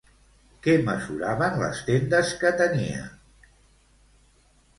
Què mesuraven les tendes que tenia?